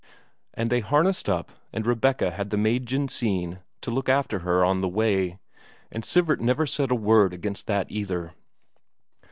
And they harnessed up, and Rebecca had the maid Jensine to look after her on the way, and Sivert said never a word against that either.